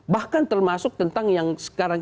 bahkan termasuk tentang yang sekarang